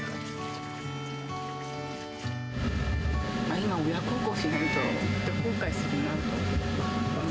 今、親孝行しないと、後悔するなと思って。